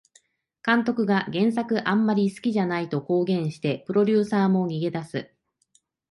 監督が原作あんまり好きじゃないと公言してプロデューサーも逃げ出す